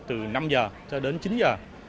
từ năm giờ cho đến chín giờ